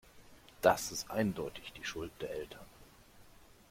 Das ist eindeutig die Schuld der Eltern.